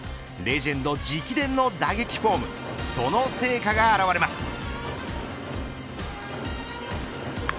レジェンド直伝の打撃フォームその成果があらわれます。